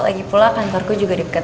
lagipula kantorku juga deket